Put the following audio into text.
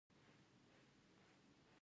کنیشکا د هنر او ادبیاتو ملاتړی و